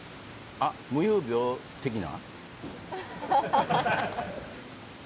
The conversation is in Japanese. あっ夢遊病的な？